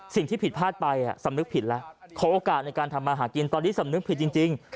สิ่งที่ผิดพลาดไปสำนึกผิดแล้วขอโอกาสในการทำมาหากินตอนนี้สำนึกผิดจริง